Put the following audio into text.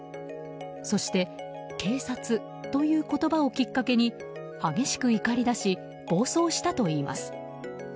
そして警察という言葉をきっかけに激しく怒り出し暴走したといいます。